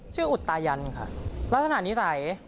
ชื่ออุตรายันทร์ค่ะลักษณะนิสัย